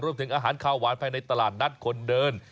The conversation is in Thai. รวมถึงอาหารขาวหวานภายในตลาดนัดคนเดิน